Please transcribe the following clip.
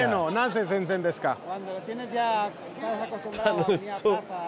楽しそう。